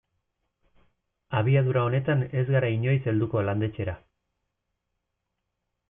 Abiadura honetan ez gara inoiz helduko landetxera.